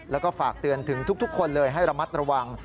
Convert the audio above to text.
แล้วก็ฝากเตือนถึงทุกคนเลยให้ระมัดระวัง